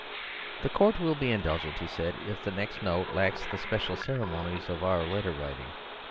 "The Court will be indulgent," he said, "if the next note lacks the special ceremonies of our letter writing.